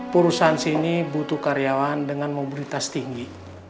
perusahaan sini butuh karyawan dengan mobilitas tinggi